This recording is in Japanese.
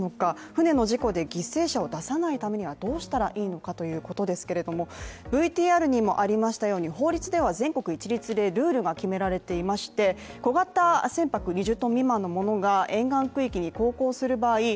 船の事故で犠牲者を出さないためにはどうしたらいいのかということですけれどもＶＴＲにもありましたように法律では全国一律でルールが決められていまして小型船舶２０ｔ未満のものが沿岸区域に航行する場合